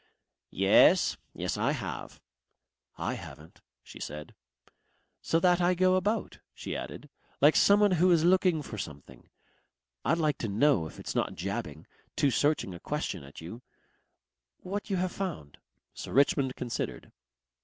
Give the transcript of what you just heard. "Yes. Yes, I have." "I haven't," she said. "So that I go about," she added, "like someone who is looking for something. I'd like to know if it's not jabbing too searching a question at you what you have found." Sir Richmond considered.